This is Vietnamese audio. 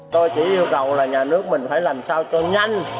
tôi chỉ yêu cầu là nhà nước mình phải làm sao cho nhanh